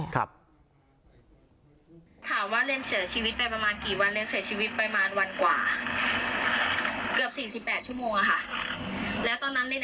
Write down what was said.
คุณขอบคุณครับ